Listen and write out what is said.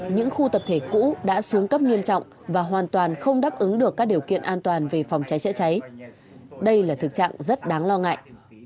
những khu tập thể cũ đã xuống cấp nghiêm trọng và hoàn toàn không đáp ứng được các điều kiện an toàn về phòng cháy chữa cháy đây là thực trạng rất đáng lo ngại